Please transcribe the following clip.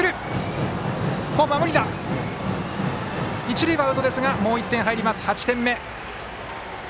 一塁もアウトですがもう１点入ります、８点目。